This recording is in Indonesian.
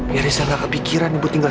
ya rizal nggak kepikiran ibu tinggal